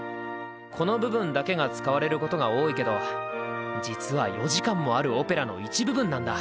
この部分だけが使われることが多いけど実は４時間もあるオペラの一部分なんだ。